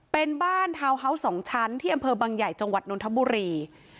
เป็นบ้านทาวน์เฮาส์๒ชั้นที่อำเภอบังใหญ่จังหวัดนทบุรี